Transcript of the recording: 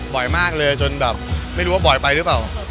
บ่อยมากเลยจนแบบไม่รู้ว่าบ่อยไปหรือเปล่า